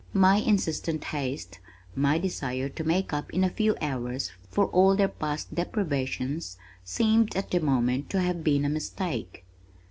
My insistent haste, my desire to make up in a few hours for all their past deprivations seemed at the moment to have been a mistake.